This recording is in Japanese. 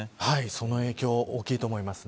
その影響は大きいと思います。